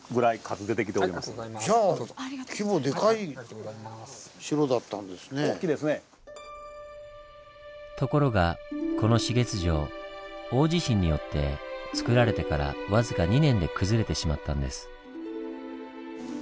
じゃあところがこの指月城大地震によってつくられてから僅か２年で崩れてしまったんです。